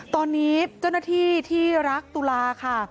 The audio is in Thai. ตอนนี้เจ้าหน้าที่ที่รักตุลาค่ะ